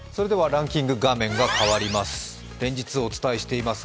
ランキング画面が変わります。